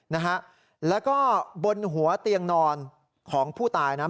นะฮะแล้วก็บนหัวเตียงนอนของผู้ตายนะ